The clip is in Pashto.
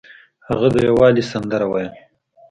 هغه د یووالي سندره ویله.